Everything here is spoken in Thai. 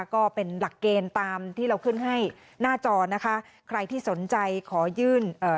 ก็เป็นหลักเกณฑ์ตามที่เราขึ้นให้หน้าจอนะคะใครที่สนใจขอยื่นเอ่อ